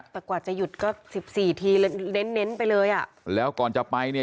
แต่กว่าจะหยุดก็สิบสี่ทีเน้นเน้นไปเลยอ่ะแล้วก่อนจะไปเนี่ย